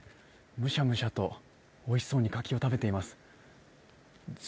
むしゃむしゃとおいしそうに柿を食べています。